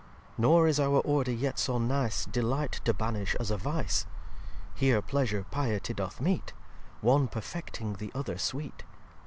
xxii "Nor is our Order yet so nice, Delight to banish as a Vice. Here Pleasure Piety doth meet; One perfecting the other Sweet.